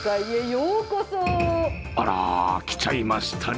あら、来ちゃいましたね